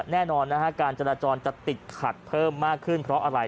แน่นอนนะฮะการจราจรจะติดขัดเพิ่มมากขึ้นเพราะอะไร